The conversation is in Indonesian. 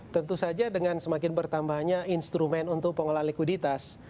tentu saja dengan semakin bertambahnya instrumen untuk pengelolaan likuiditas